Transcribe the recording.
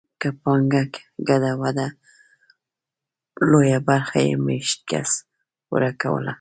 که پانګه ګډه وه لویه برخه یې مېشت کس ورکوله.